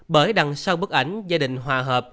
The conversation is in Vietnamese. bởi đằng sau bức ảnh gia đình hòa hợp